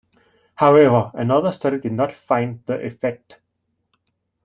However, another study did not find the effect.